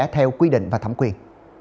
theo quy định và thẩm quyền